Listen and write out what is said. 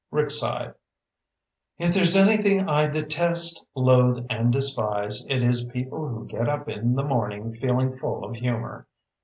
Rick sighed. "If there is anything I detest, loathe, and despise, it is people who get up in the morning feeling full of humor.